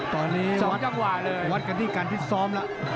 ตอนนี้๒จังหวะเลยวัดกันที่การพิษซ้อมแล้ว